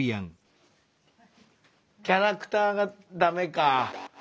キャラクターが駄目か。